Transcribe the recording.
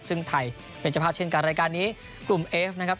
ซึ่งไทยเป็นเจ้าภาพเช่นกันรายการนี้กลุ่มเอฟนะครับ